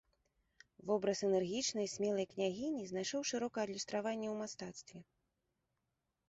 Вобраз энергічнай і смелай княгіні знайшоў шырокае адлюстраванне ў мастацтве.